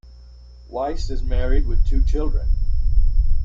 Weiss is married with two children.